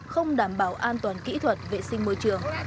không đảm bảo an toàn kỹ thuật vệ sinh môi trường